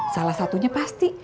salah satunya pasti